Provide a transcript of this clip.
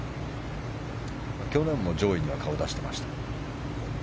去年も上位には顔を出していました。